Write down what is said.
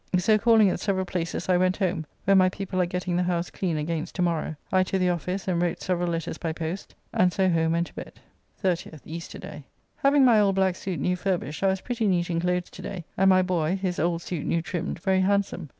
So calling at several places I went home, where my people are getting the house clean against to morrow. I to the office and wrote several letters by post, and so home and to bed. 30th (Easter day). Having my old black suit new furbished, I was pretty neat in clothes to day, and my boy, his old suit new trimmed, very handsome.